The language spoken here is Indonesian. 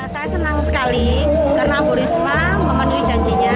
saya senang sekali karena bu risma memenuhi janjinya